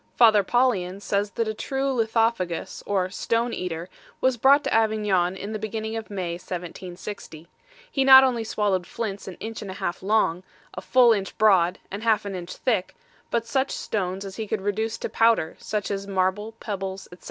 Father Paulian says that a true lithophagus, or stone eater, was brought to Avignon in the beginning of May, 1760. He not only swallowed flints an inch and a half long, a full inch broad, and half an inch thick, but such stones as he could reduce to powder, such as marble, pebbles, etc.